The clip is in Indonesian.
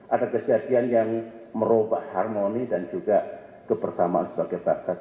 ada kejadian yang merubah harmoni dan juga kebersamaan sebagai bangsa